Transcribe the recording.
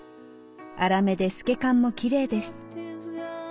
粗目で透け感もきれいです。